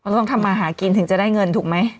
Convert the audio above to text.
ต้องทำมาหากินถึงจะได้เงินถูกไหม